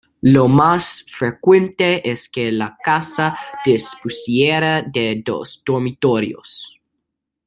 Lo más frecuente es que la casa dispusiera de dos dormitorios.